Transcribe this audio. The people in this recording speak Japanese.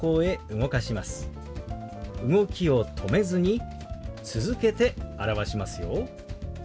動きを止めずに続けて表しますよ。